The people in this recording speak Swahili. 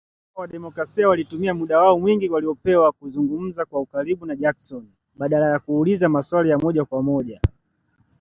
Wana Chama wa demokrasia walitumia muda wao mwingi waliopewa kuzungumza kwa ukaribu na Jackson, badala ya kuuliza maswali ya moja kwa moja .